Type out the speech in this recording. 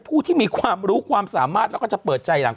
พูดรู้จริง